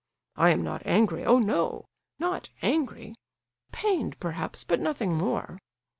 I am not angry, oh no! Not angry; pained perhaps, but nothing more.